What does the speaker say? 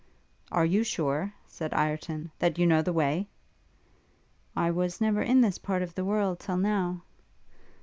'Are you sure,' said Ireton, 'that you know the way?' 'I was never in this part of the world till now.'